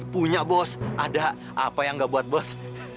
punya bos ada apa yang gak buat bos